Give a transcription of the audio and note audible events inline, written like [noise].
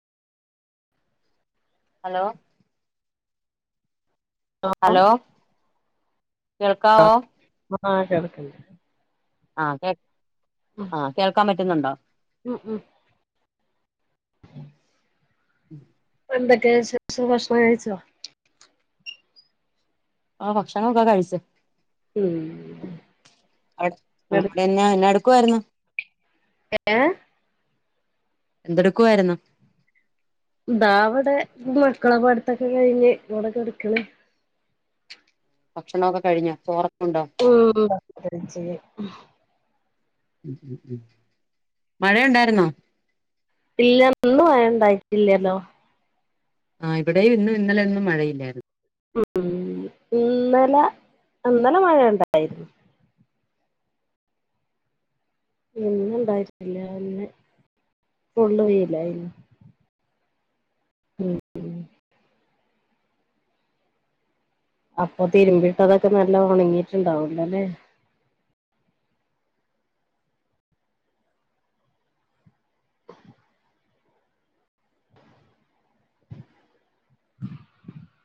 hello hello [unintelligible] കേൾക്കാവോ ആ കേൾക്ക്ണ്ട് ആ കേ ആ കേൾക്കാൻ പറ്റുന്നുണ്ടോ ഉം ഉം എന്തൊക്കെ വിശേഷം ഭക്ഷണം കഴിച്ചോ ആ ഭക്ഷണൊക്കെ കഴിച്ച് ഉം [unintelligible] ആ കെടക്കാ എന്നാടുക്കുവായിരുന്ന് ഏ എന്തെടുക്കുവായിരുന്ന് താ അവിടെ മക്കളെ പഠത്തൊക്കെ കഴിഞ്ഞ് ഇവ്ടെക്കെട്ക്ക്ണ് ഭക്ഷണമൊക്കെ കഴിഞ്ഞ ചോറക്ക ഉണ്ടോ ഉം [unintelligible] മഴ ഉണ്ടായിരുന്നോ ഇല്ല ഇന്ന് മഴ ഇണ്ടായിട്ടില്ലല്ലോ ആഹ് ഇവിടെയും ഇന്നും ഇന്നലെന്നും മഴയില്ലായിരുന്നു ഉം ഇന്നല ഇന്നല മഴ ഉണ്ടായിരുന്നു ഇന്ന് ഉണ്ടായിട്ടില്ല ഇന്ന് ഫുള്ള് വെയിലായിരുന്നു ഉം അപ്പൊ തിരുമ്മിട്ടതൊക്കെ നല്ല ഒണങ്ങീട്ടുണ്ടാവൂലോല്ലേ